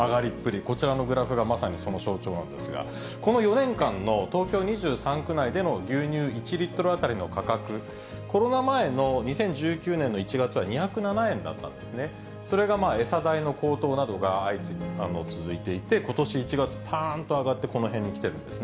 こちらのグラフがまさにその象徴なんですが、この４年間の東京２３区内での牛乳１リットル当たりの価格、コロナ前の２０１９年の１月には２０７円だったんですね、それが餌代の高騰などが続いていて、ことし１月、ぱーんと上がって、この辺に来てるんですね。